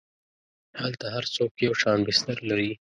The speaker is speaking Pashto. هلته هر څوک یو شان بستر لري.